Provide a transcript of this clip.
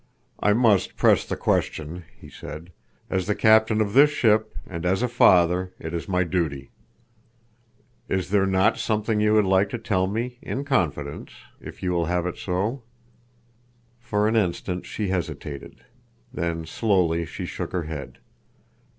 "I must press the question," he said. "As the captain of this ship, and as a father, it is my duty. Is there not something you would like to tell me—in confidence, if you will have it so?" For an instant she hesitated, then slowly she shook her head.